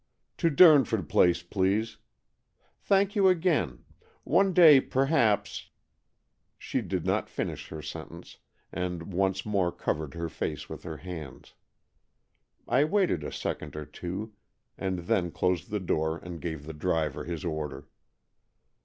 "To Durnford Place, please. Thank you again. One day perhaps " She did not finish her sentence, and once more covered her face with her hands. I waited a second or two, and then closed the door and gave the driver his order.